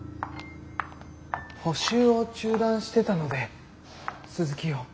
補習を中断してたので続きを。